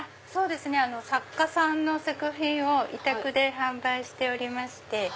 作家さんの作品を委託で販売しておりまして。